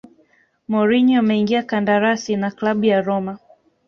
mourinho ameingia kandarasi na klabu ya roma